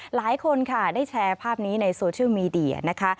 หลายคนค่ะได้แชร์ภาพนี้ในโซเชียลมีเดียนะคะ